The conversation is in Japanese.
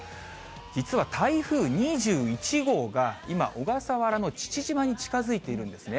実は台風２１号が今、小笠原の父島に近づいているんですね。